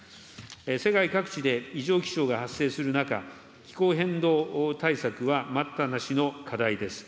世界各地で異常気象が発生する中、気候変動対策は待ったなしの課題です。